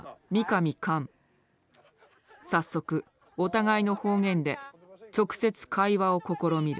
早速お互いの方言で直接会話を試みる。